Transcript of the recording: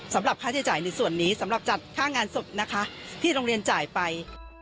สำหรับค่าใช้จ่ายในส่วนนี้สำหรับจัดค่างานศพนะคะที่โรงเรียนจ่ายไป